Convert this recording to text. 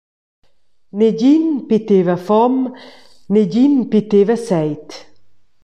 Negin piteva fom, negin piteva seit.